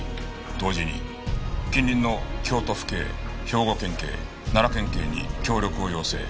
同時に近隣の京都府警兵庫県警奈良県警に協力を要請。